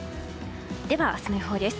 では明日の予報です。